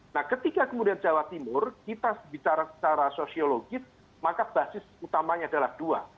nah ketika kemudian jawa timur kita bicara secara sosiologis maka basis utamanya adalah dua